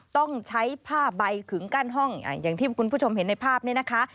ต้องใช้ผ้าใบขึงกั้นห้องอย่างที่คุณผู้ชมเห็นในภาพนี้นะคะ